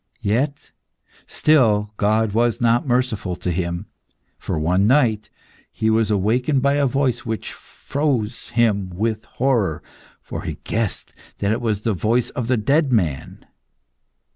Yet still God was not merciful to him, for one night he was awakened by a voice which froze him with horror, for he guessed that it was the voice of the dead man.